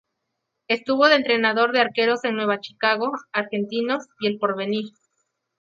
Estuvo de entrenador de arqueros en Nueva Chicago, Argentinos y El Porvenir.